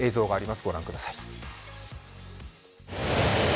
ご覧ください。